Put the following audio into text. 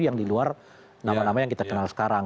yang di luar nama nama yang kita kenal sekarang